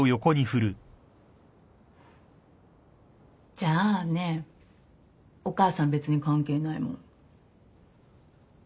じゃあねお母さん別に関係ないもん。